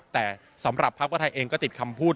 แต่สำหรับพักเพื่อไทยเองก็ติดคำพูด